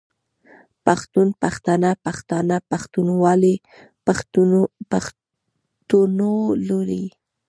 پښتون، پښتنه، پښتانه، پښتونولي، پښتونولۍ